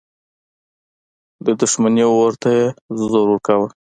د دښمني اور ته یې زور ورکاوه.